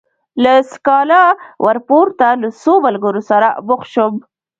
له سکالا ورپورته له څو ملګرو سره مخ شوم.